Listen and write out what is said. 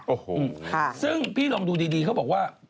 โอ้โหซึ่งพี่ลองดูดีเขาบอกว่า